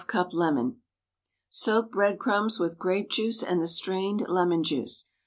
cup lemon Soak bread crumbs with grape juice and the strained lemon juice.